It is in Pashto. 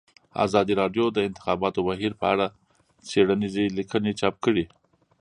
ازادي راډیو د د انتخاباتو بهیر په اړه څېړنیزې لیکنې چاپ کړي.